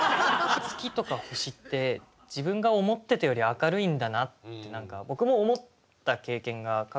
月とか星って自分が思ってたより明るいんだなって何か僕も思った経験が過去にあるんで。